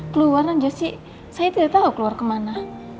keluar naja saya tidak tahu keluar kemana